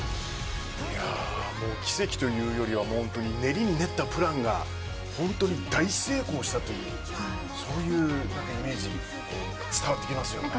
もう奇跡というよりは練りに練ったプランが本当に大成功したというそういうイメージ伝わってきますよね。